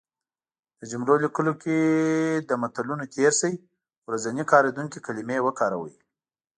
د جملو لیکلو کې له متلونو تېر شی. ورځنی کارېدونکې کلمې وکاروی